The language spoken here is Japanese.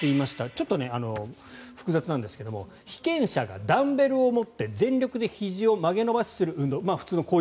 ちょっと複雑なんですが被験者がダンベルを持ってひじを曲げ伸ばしする運動